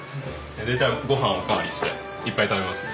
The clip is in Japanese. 大体御飯お代わりしていっぱい食べますね。